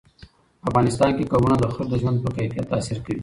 افغانستان کې قومونه د خلکو د ژوند په کیفیت تاثیر کوي.